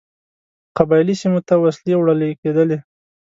قبایلي سیمو ته وسلې وړلې کېدلې.